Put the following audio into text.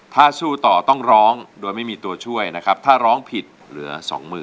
ถ้าสู้ต่อต้องร้องโดยไม่มีตัวช่วยนะครับถ้าร้องผิดเหลือสองหมื่น